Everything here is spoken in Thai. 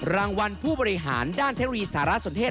รางวัลผู้บริหารด้านเทคโนโลยีสารสนเทศ